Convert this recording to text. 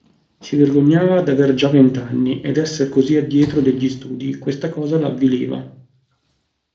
Si vergognava d'aver già vent'anni, e d'essere così a dietro degli studi: questa cosa l'avviliva.